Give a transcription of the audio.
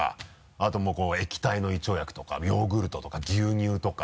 あともうこう液体の胃腸薬とかヨーグルトとか牛乳とか。